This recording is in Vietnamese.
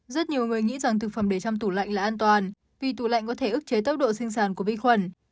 rất nhiều người nghĩ rằng thực phẩm để trong tủ lạnh là an toàn vì tủ lạnh có thể ức chế tốc độ sinh sản của vi khuẩn